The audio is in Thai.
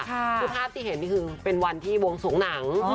คือภาพที่เห็นนี่คือเป็นวันที่วงสวงหนัง